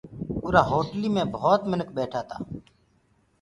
اُرآ هوٽليٚ مي ڀوت منک ٻيٺآ تآ